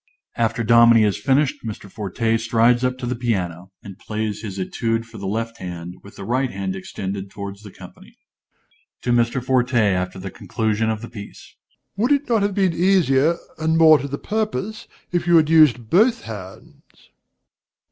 (_After Dominie has finished, Mr. Forte strides up to the piano, and plays his Etude for the left hand, with the right hand extended towards the company._) DOMINIE (to Mr. Forte, after the conclusion of the piece). Would it not have been easier and more to the purpose, if you had used both hands?